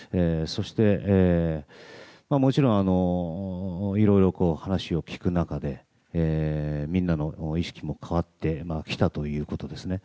そして、もちろんいろいろ話を聞く中でみんなの意識も変わってきたということですね。